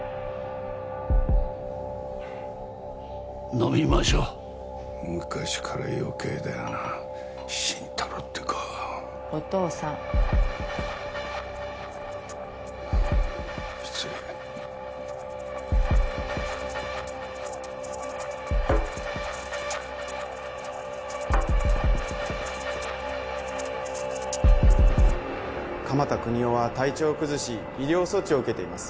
飲みましょう昔から余計だよな心太朗って子お父さん失礼・鎌田國士は体調を崩し医療措置を受けています